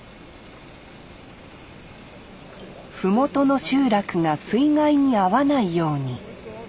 麓の集落が水害に遭わないように。